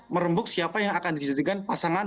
merembuk siapa yang akan dijadikan pasangan